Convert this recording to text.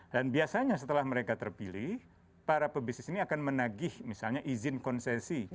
dan biasanya setelah mereka terpilih para pebisnis ini akan menagih misalnya izin konsesi